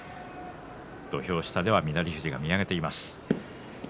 土俵下では翠富士が見上げています。